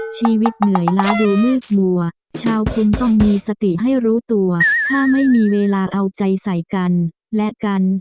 ชีวิตเหนื่อยล้าดูมืดมัวชาวคุณต้องมีสติให้รู้ตัวถ้าไม่มีเวลาเอาใจใส่กันและกัน